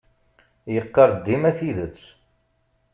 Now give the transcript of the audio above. Yeqqar-d dima tidet.